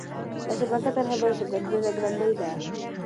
دا شبکه تر هغې بلې شبکې ډېره ګړندۍ ده.